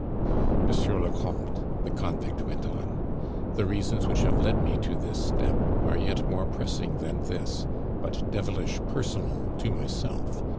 "Monsieur le Comte," the convict went on, "the reasons which have led me to this step are yet more pressing than this, but devilish personal to myself.